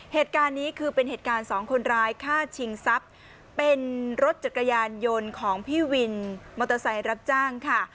เหตุการณ์นี้คือเป็นเหตุการณ์สองคนร้ายฆ่าชิงทรัพย์เป็นรถจักรยานยนต์ของพี่วินมอเตอร์ไซค์รับจ้างค่ะ